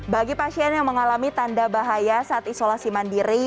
bagi pasien yang mengalami tanda bahaya saat isolasi mandiri